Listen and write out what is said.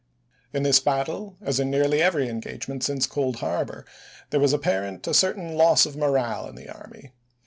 In this battle, as in nearly every engagement since Cold Harbor, there was apparent a certain loss of morale in the army.